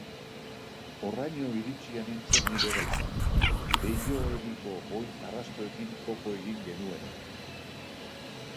Horraino iritsia nintzen nire baitan, leiho-hegiko oin-arrastoekin topo egin genuenean.